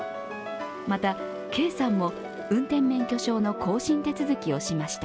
また、圭さんも運転免許証の更新手続きをしました。